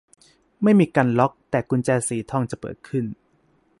ไม่มีการล็อค แต่กุญแจสีทองจะเปิดขึ้น